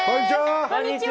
こんにちは！